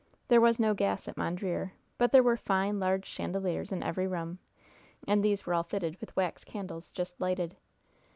There was no gas at Mondreer, but there were fine, large chandeliers in every room, and these were all fitted with wax candles, just lighted.